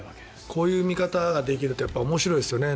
こういう見方ができると面白いですよね。